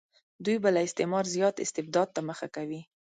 دوی به له استعمار زیات استبداد ته مخه کوي.